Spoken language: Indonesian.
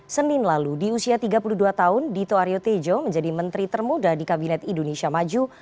senin lalu di usia tiga puluh dua tahun dito aryo tejo menjadi menteri termuda di kabinet indonesia maju